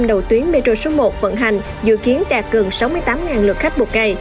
đầu tuyến metro số một vận hành dự kiến đạt gần sáu mươi tám lượt khách một ngày